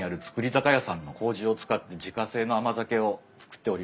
酒屋さんのこうじを使って自家製の甘酒をつくっておりまして。